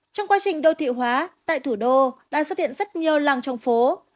trong quá trình đô thị hóa tại thủ đô đã xuất hiện rất nhiều làng trong phố